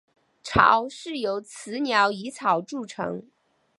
巢是由雌鸟以草筑成。